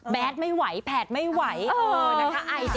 แบดไม่ไหวแผดไม่ไหว